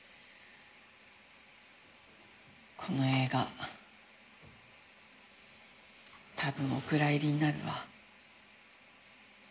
この映画多分お蔵入りになるわ。